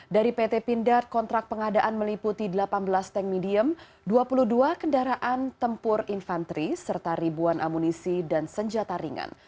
dari pt pindad kontrak pengadaan meliputi delapan belas tank medium dua puluh dua kendaraan tempur infanteri serta ribuan amunisi dan senjata ringan